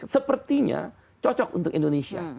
sepertinya cocok untuk indonesia